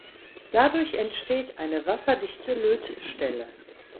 Dadurch entsteht eine wasserdichte Lötstelle.